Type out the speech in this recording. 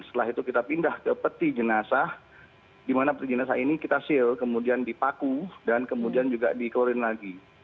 setelah itu kita pindah ke peti jenazah di mana peti jenazah ini kita seal kemudian dipaku dan kemudian juga di klorin lagi